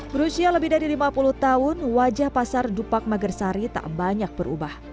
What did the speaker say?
berusia lebih dari lima puluh tahun wajah pasar dupak magersari tak banyak berubah